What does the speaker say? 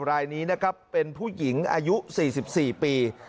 รายนี้นะครับเป็นผู้หญิงอายุ๔๔ปี